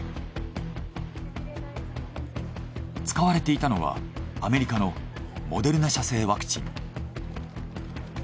使われていたのはアメリカのモデルナ社製ワクチン。